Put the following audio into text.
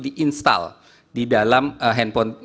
di install di dalam handphone